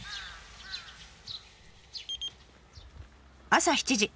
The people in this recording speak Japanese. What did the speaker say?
朝７時。